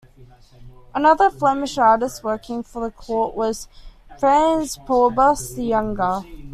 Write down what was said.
Another Flemish artist working for the court was Frans Pourbus the younger.